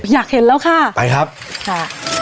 อยากเห็นแล้วค่ะไปครับค่ะ